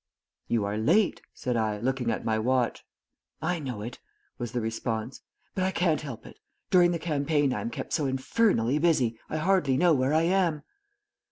"You are late," said I, looking at my watch. "I know it," was the response. "But I can't help it. During the campaign I am kept so infernally busy I hardly know where I am."